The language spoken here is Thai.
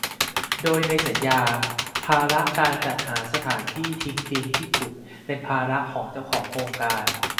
โดยในสัญญาภาระการจัดหาสถานที่ทิ้งดินที่ขุดเป็นภาระของเจ้าของโครงการ